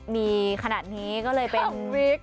มีขนาดนี้ก็เลยเป็นวิก